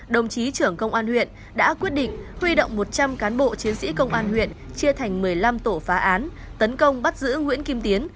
đồng chí trưởng công an huyện đã quyết định huy động một trăm linh cán bộ chiến sĩ công an huyện chia thành một mươi năm tổ phá án tấn công bắt giữ nguyễn kim tiến